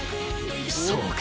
そうか。